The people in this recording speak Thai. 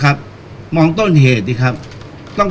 การสำรรค์ของเจ้าชอบใช่